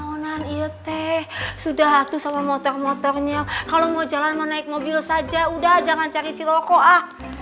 bangunan iya teh sudah hatu sama motor motornya kalau mau jalan mau naik mobil saja udah jangan cari ciloko ah